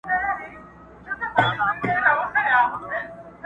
د محبت کچکول په غاړه وړم د ميني تر ښار .